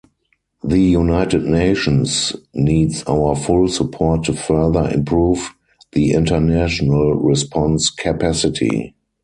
The United Nations needs our full support to further improve the international response capacity.